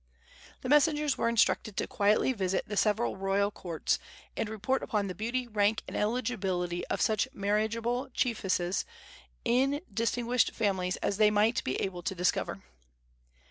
The messengers were instructed to quietly visit the several royal courts, and report upon the beauty, rank and eligibility of such marriageable chiefesses of distinguished families as they might be able to discover.